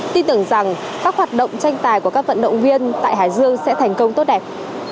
tin tưởng rằng các hoạt động tranh tài của các vận động viên tại hải dương sẽ thành công tốt đẹp